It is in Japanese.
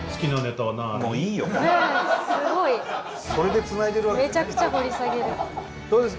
もういいよもう。